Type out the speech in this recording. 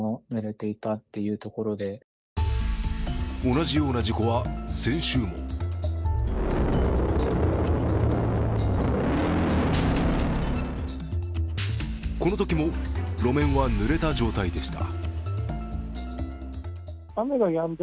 同じような事故は先週もこのときも路面はぬれた状態でした。